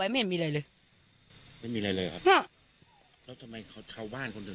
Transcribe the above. อันนี้เขาเรียกคอร์ดแล้ว